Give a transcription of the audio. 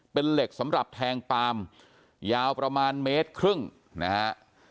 เป็นเหล็กสำหรับแทงปาล์มยาวประมาณเมตรครึ่งนะฮะ